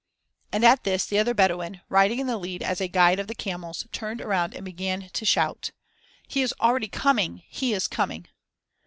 And at this the other Bedouin, riding in the lead as a guide of the camels, turned around and began to shout: "He is already coming! He is coming!"